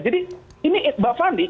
jadi ini mbak fandi